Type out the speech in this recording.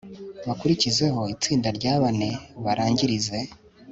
bakurikizeho itsinda rya bane, barangirize